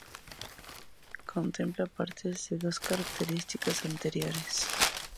Contempla parte de las dos características anteriores.